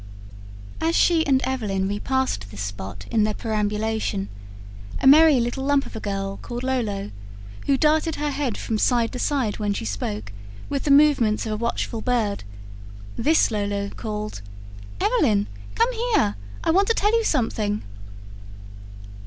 As she and Evelyn re passed this spot in their perambulation, a merry little lump of a girl called Lolo, who darted her head from side to side when she spoke, with the movements of a watchful bird this [P.241] Lolo called: "Evelyn, come here, I want to tell you something."